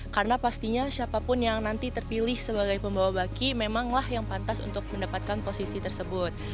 karena pastinya siapapun yang nanti terpilih sebagai pembawa baki memanglah yang pantas untuk mendapatkan posisi tersebut